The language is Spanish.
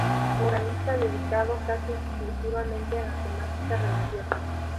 Muralista dedicado casi exclusivamente a la temática religiosa.